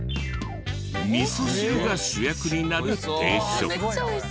みそ汁が主役になる定食。